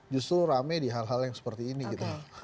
justru rame di hal hal yang seperti ini gitu